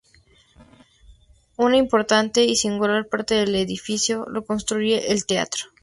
Una importante y singular parte del edificio lo constituye el teatro.